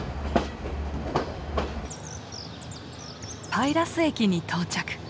パイラス駅に到着。